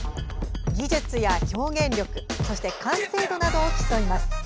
技術や表現力、そして完成度などを競います。